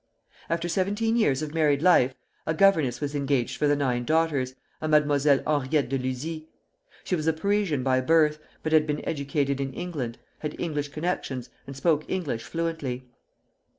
After seventeen years of married life a governess was engaged for the nine daughters, a Mademoiselle Henriette de Luzy. She was a Parisian by birth, but had been educated in England, had English connections, and spoke English fluently.